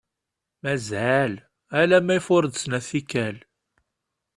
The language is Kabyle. Mazal, alamma ifuṛ-d snat tikkal.